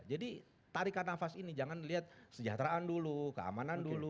jadi tarikan nafas ini jangan dilihat sejahteraan dulu keamanan dulu